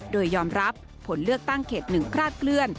โดยยอมรับผลเลือกตั้งเขต๑คลาดเคลื่อน